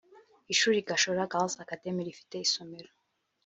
Ishuri Gashora Girls Academy rifite isomero